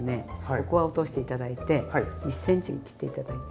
ここは落として頂いて１ｃｍに切って頂いて。